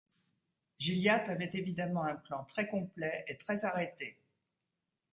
Gilliatt avait évidemment un plan très complet et très arrêté.